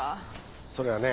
それはね。